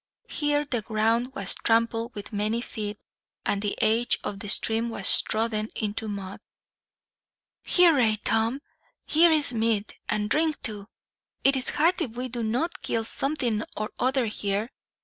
Here the ground was trampled with many feet, and the edge of the stream was trodden into mud. "Hurrah, Tom! Here is meat, and drink, too. It is hard if we do not kill something or other here.